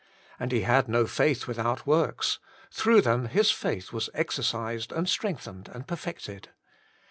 And he had no faith without works: through them his faith was exercised and strength ened and perfected.